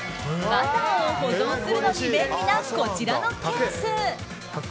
バターを保存するのに便利なこちらのケース。